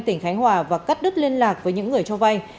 tỉnh khánh hòa và cắt đứt liên lạc với những người cho vay